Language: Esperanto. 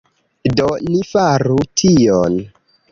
Do, ni faru tion